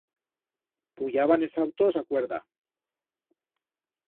Puyaban es autos a cuerda.